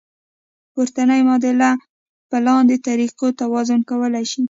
پورتنۍ معادله په لاندې طریقو توازن کولی شئ.